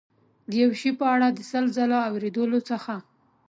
د یو شي په اړه د سل ځلو اورېدلو څخه.